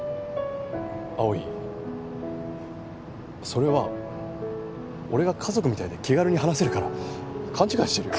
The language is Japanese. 葵それは俺が家族みたいで気軽に話せるから勘違いしてるよ。